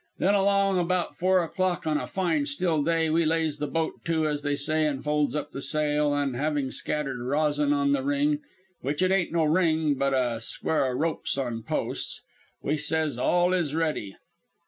"Then along o' about four o'clock on a fine still day we lays the boat to, as they say, an' folds up the sail, an' havin' scattered resin in the ring (which it ain't no ring, but a square o' ropes on posts), we says all is ready.